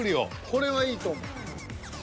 これはいいと思う。